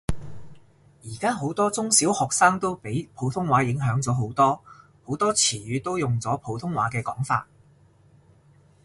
而家好多中小學生都俾普通話影響咗好多，好多詞語都用咗普通話嘅講法